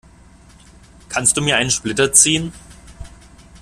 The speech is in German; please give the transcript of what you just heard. Kannst du mir einen Splitter ziehen?